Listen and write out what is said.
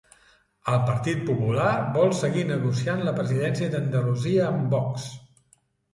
El Partit Popular vol seguir negociant la presidència d'Andalusia amb Vox.